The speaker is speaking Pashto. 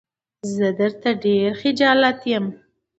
زه درته ډېر خجالت يم.